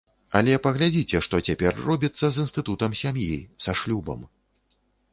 Але паглядзіце, што цяпер робіцца з інстытутам сям'і, са шлюбам.